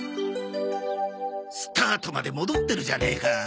スタートまで戻ってるじゃねえか。